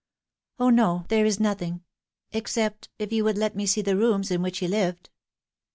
" 0, no, there is nothing except if you would let me see the rooms in which he lived."